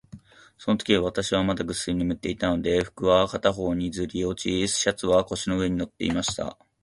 そのとき、私はまだぐっすり眠っていたので、服は片方にずり落ち、シャツは腰の上に載っていました。